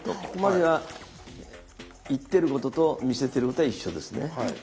ここまでは言ってることと見せてることは一緒ですね。